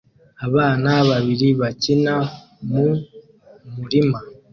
Abana babiri bakina mu murima